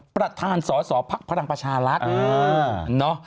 ประธานสอสอภักดิ์พระรังประชาลักษณ์